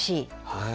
はい。